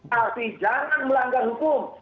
tapi jangan melanggar hukum